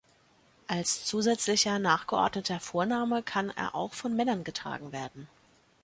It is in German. Als zusätzlicher, nachgeordneter Vorname kann er auch von Männern getragen werden.